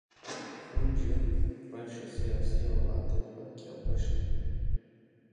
Hûn ji rewşa siyasî ya welatê xwe kêfxweş in?